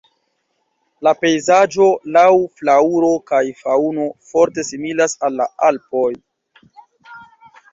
La pejzaĝo laŭ flaŭro kaj faŭno forte similas al la Alpoj.